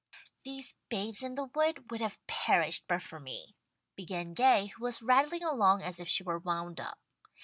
"These 'babes in the wood' would have perished but for me," began Gay, who was rattling along as if she were wound up.